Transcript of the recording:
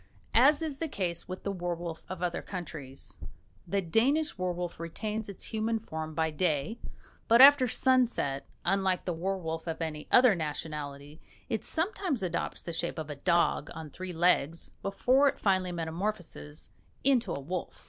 As is the case with the werwolf of other countries, the Danish werwolf retains its human form by day; but after sunset, unlike the werwolf of any other nationality, it sometimes adopts the shape of a dog on three legs before it finally metamorphoses into a wolf.